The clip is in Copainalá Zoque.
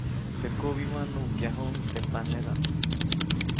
Teʼ kubimä nukyajuʼuŋ teʼ panedaʼm.